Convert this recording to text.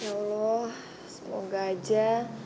ya allah semoga aja